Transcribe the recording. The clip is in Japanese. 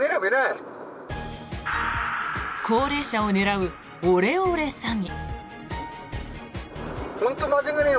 高齢者を狙うオレオレ詐欺。